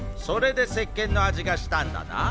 それでせっけんの味がしたんだな。